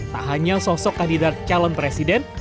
tak hanya sosok kandidat calon presiden